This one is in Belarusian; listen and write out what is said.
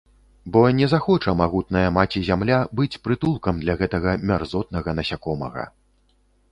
Бо не захоча магутная Маці-Зямля быць прытулкам для гэтага мярзотнага насякомага.